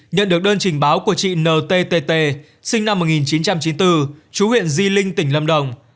nhận được đơn trình báo của chị ntt sinh năm một nghìn chín trăm chín mươi bốn chú huyện di linh tỉnh lâm đồng